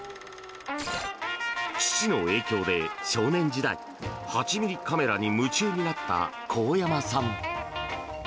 父の影響で少年時代８ｍｍカメラに夢中になった神山さん。